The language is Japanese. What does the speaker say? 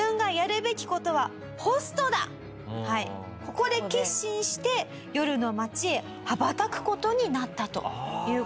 ここで決心して夜の街へ羽ばたく事になったという事なんですよね。